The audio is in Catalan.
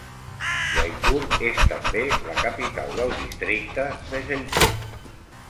Jaipur és també la capital del districte de Jaipur.